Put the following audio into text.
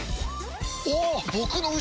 おっ！